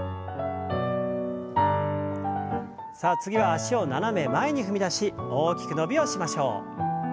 さあ次は脚を斜め前に踏み出し大きく伸びをしましょう。